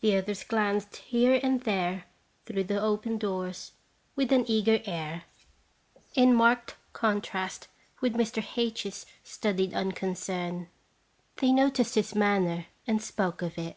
The others glanced here and there through the open doors, with an eager air, in marked 292 "<&re il)* SDeair contrast with Mr. H 's studied unconcern. They noticed his manner, and spoke of it.